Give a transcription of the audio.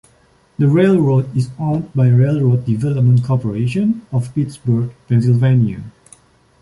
The railroad is owned by Railroad Development Corporation of Pittsburgh, Pennsylvania.